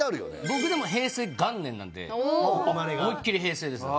僕でも平成元年なんで思いっ切り平成です。